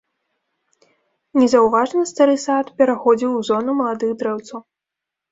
Незаўважна стары сад пераходзіў у зону маладых дрэўцаў.